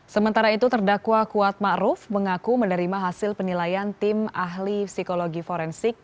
sementara itu terdakwa kuat ma'ruf mengaku menerima hasil penilaian tim ahli psikologi forensik